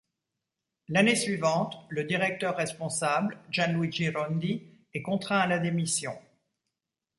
L'année suivante, le directeur responsable, Gian Luigi Rondi, est contraint à la démission.